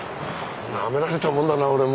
なめられたもんだなぁ俺も。